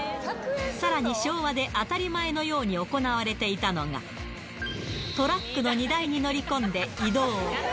さらに昭和で当たり前のように行われていたのが、トラックの荷台に乗り込んで移動。